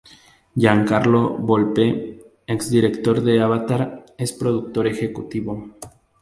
Giancarlo Volpe, ex director de Avatar, es productor ejecutivo.